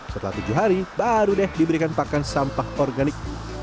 setelah tujuh hari baru deh diberikan pakan sampah organik